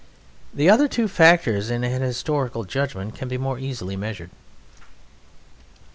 The other two factors in an historical judgment can be more easily measured.